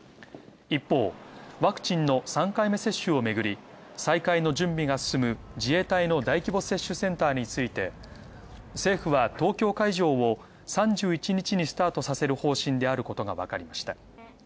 一方、ワクチンの３回目接種をめぐり再開の準備が進む、自衛隊の大規模接種センターについて政府は東京会場を３１日にスタートさせる方針であることがわかりました。